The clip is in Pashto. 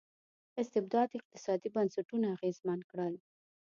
استبداد اقتصادي بنسټونه اغېزمن کړل.